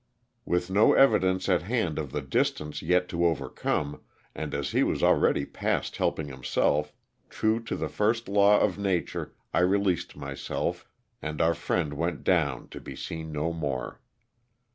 With no evidence at hand of the distance yet to overcome, and as he was already past helping himself, true to the first law of nature I released myself, and our friend went down to be seen no more.